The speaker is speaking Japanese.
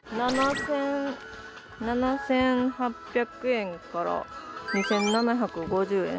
７０００７８００円から２７５０円。